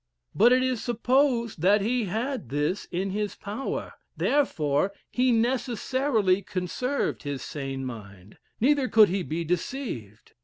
But it is supposed he had this in his power, therefore he necessarily conserved his sane mind, neither could he be deceived.